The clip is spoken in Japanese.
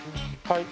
はい。